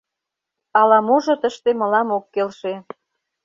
Ала-можо тыште мылам ок келше.